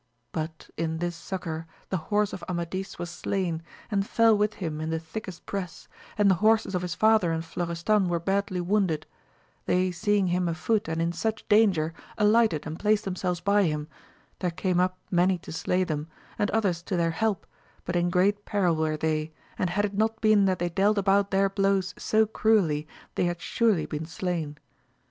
But in this succour the horse of Amadis was slain, and fell with him in the thickest press, and the horses of his father and Florestan were badly wounded ; they seeing him a foot and in such danger, alighted and placed them selves by him, there came up many to slay them, and others to their help, but in great peril were they, and had it not been that they dealt about their blows so cruelly they had surely been slain.